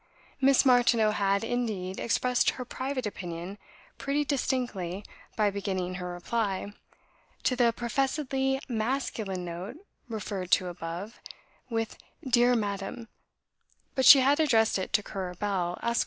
Miss Martineau had, indeed, expressed her private opinion pretty distinctly by beginning her reply, to the professedly masculine note referred to above, with "Dear Madam;" but she had addressed it to "Currer Bell, Esq."